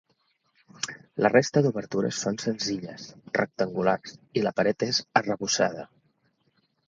La resta d’obertures són senzilles, rectangulars, i la paret és arrebossada.